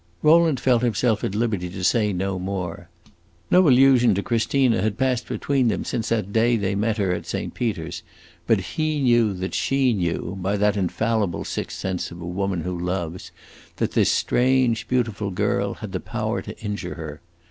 Rowland felt himself at liberty to say no more. No allusion to Christina had passed between them since the day they met her at Saint Peter's, but he knew that she knew, by that infallible sixth sense of a woman who loves, that this strange, beautiful girl had the power to injure her.